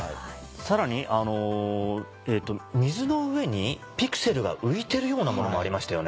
さらに水の上にピクセルが浮いてるようなものもありましたよね。